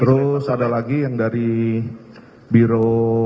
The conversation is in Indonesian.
terus ada lagi yang dari biro